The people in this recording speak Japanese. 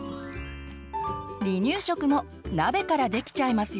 離乳食も鍋からできちゃいますよ。